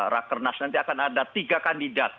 rakernas nanti akan ada tiga kandidat